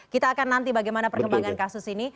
kita akan nanti bagaimana perkembangan kasus ini